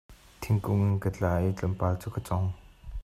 Thingkung in ka tla i tlawmpal cu ka cong.